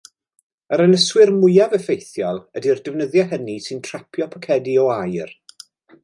Yr ynyswyr mwyaf effeithiol ydy'r defnyddiau hynny sy'n trapio pocedi o aer.